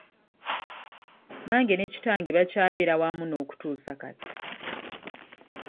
Mange ne kitange bakyabeera wamu n'okutuusa kati.